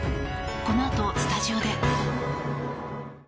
このあとスタジオで。